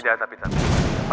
tidak tapi papa